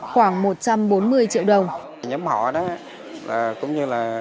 khoảng một trăm bốn mươi triệu đồng